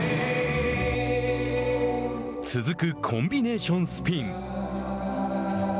続くコンビネーションスピン。